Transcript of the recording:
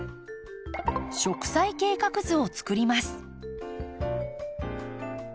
植栽計画図をつくります。